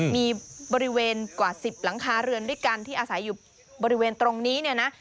มีบริเวณกว่า๑๐หลังคาเรือนด้วยกันที่อาศัยอยู่บริเวณตรงนี้เนี่ยนะ